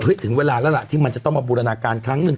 ถึงเวลาแล้วล่ะที่มันจะต้องมาบูรณาการครั้งหนึ่ง